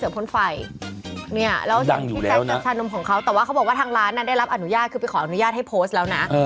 ไม่ได้แอบถ่ายและแอบโพสต์เอง